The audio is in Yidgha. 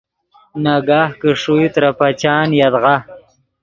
ناگاہ کہ ݰوئے ترے پچان یدغا